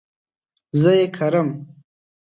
زه ئې کرم